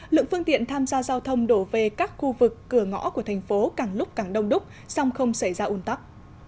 lượng phương tiện tham gia giao thông đổ về các khu vực cửa ngõ của thành phố càng lúc càng đông đúc song không xảy ra un tắc